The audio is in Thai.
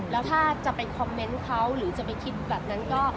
แล้วถ้าจะไปคอมเมนต์เขาหรือจะไปคิดแบบนั้นก็